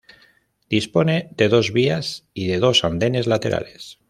Dispone de dos dos vías y de dos andenes laterales.